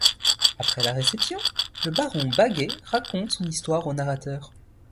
Après la réception, le baron Bagge raconte son histoire au narrateur.